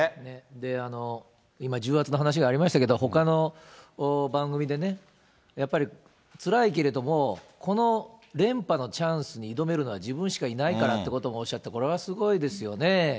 今、重圧の話がありましたけど、ほかの番組でね、やっぱりつらいけれども、この連覇のチャンスに挑めるのは自分しかいないからっていうこともおっしゃって、これはすごいですよね。